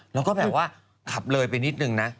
แล้วก็แบบว่าขับเลยไปนิดนึงนะ